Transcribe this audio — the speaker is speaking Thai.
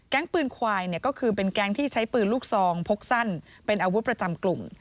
ปืนควายก็คือเป็นแก๊งที่ใช้ปืนลูกซองพกสั้นเป็นอาวุธประจำกลุ่ม